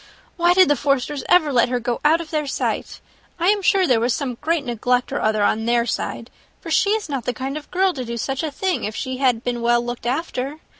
Why did the Forsters ever let her go out of their sight? I am sure there was some great neglect or other on their side, for she is not the kind of girl to do such a thing, if she had been well looked after.